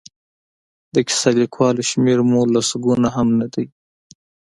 د کیسه لیکوالو شمېر مو لسګونه هم نه دی.